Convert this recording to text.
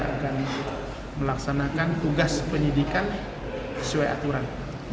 akan melaksanakan tugas penyidikan sesuai aturan